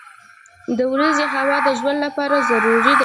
• د ورځې هوا د ژوند لپاره ضروري ده.